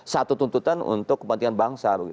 satu tuntutan untuk kepentingan bangsa